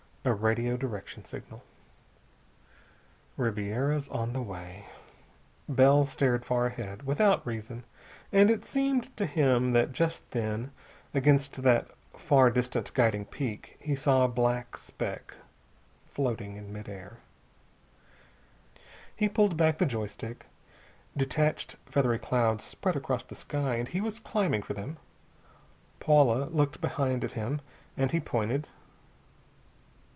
A radio direction signal. "Ribiera's on the way." Bell stared far ahead, without reason. And it seemed to him that just then, against that far distant guiding peak, he saw a black speck floating in mid air. He pulled back the joy stick. Detached, feathery clouds spread across the sky, and he was climbing for them. Paula looked behind at him, and he pointed.